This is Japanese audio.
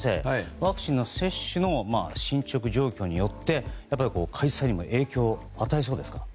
ワクチンの接種の進捗状況によって開催にも影響を与えそうですか？